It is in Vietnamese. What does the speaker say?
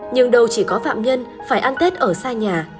nhưng đâu chỉ có phạm nhân phải ăn tết ở xa nhà